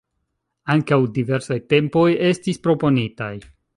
Ankaŭ diversaj tempoj estis proponitaj.